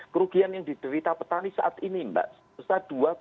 kerugian yang diterita petani saat ini mbak